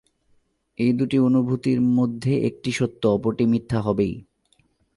এই দুটি অনুভূতির মধ্যে একটি সত্য, অপরটি মিথ্যা হবেই।